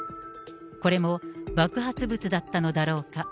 これも爆発物だったのだろうか。